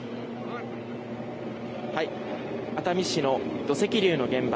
熱海市の土石流の現場